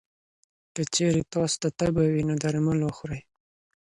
که چېرې تاسو ته تبه وي، نو درمل وخورئ.